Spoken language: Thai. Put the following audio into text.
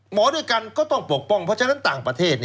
หมอด้วยกันก็ต้องปกป้องเพราะฉะนั้นต่างประเทศ